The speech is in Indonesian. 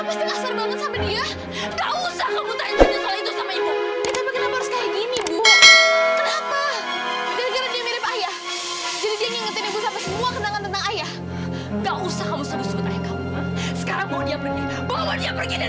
bawa dia pergi dari sini amira